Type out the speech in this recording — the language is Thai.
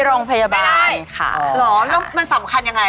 โรงพยาบาลพญาไทย๘